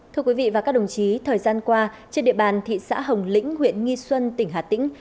thưa quý vị và các đồng chí thời gian qua trên địa bàn thị xã hồng lĩnh huyện nghi xuân tỉnh hà tĩnh